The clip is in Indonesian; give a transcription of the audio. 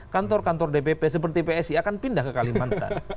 kantor kantor dpp seperti psi akan pindah ke kalimantan